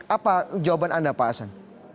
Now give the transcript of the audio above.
apa jawaban anda pak hasan